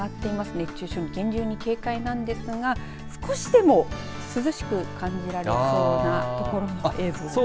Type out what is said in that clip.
熱中症に厳重に警戒なんですが少しでも涼しく感じられそうなところの映像です。